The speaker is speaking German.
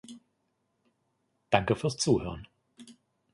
Danke fürs Zuhören.